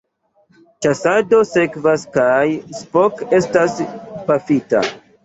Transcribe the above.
Ĉasado sekvas kaj Spock estas pafita.